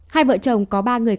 hai vợ chồng có ba người